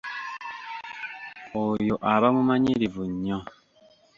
Oyo aba mumanyirivu nnyo.